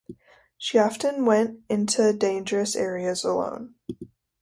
She often went into dangerous areas alone.